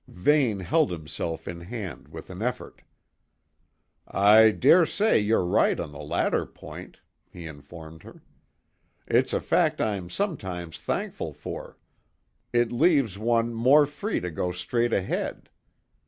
Vane held himself in hand with an effort, "I dare say you're right on the latter point," he informed her. "It's a fact I'm sometimes thankful for. It leaves one more free to go straight ahead.